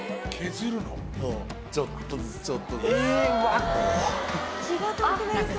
ちょっとずつちょっとずつ。